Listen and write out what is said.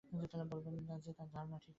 বলবেন যে, তার ধারণা ঠিক নয়।